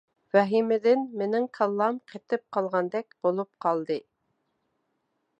ۋەھىمىدىن مېنىڭ كاللام قېتىپ قالغاندەك بولۇپ قالدى.